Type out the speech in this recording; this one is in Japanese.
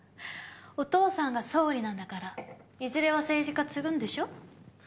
お父さんが総理なんだからいずれは政治家継ぐんでしょ？